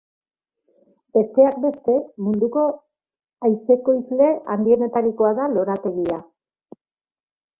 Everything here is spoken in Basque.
Besteak beste, munduko hazi-ekoizle handienetarikoa da Lorategia.